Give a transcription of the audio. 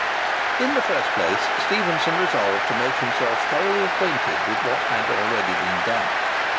In the first place Stephenson resolved to make himself thoroughly acquainted with what had already been done.